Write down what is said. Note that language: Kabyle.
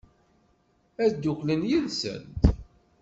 Ad dduklen yid-sent?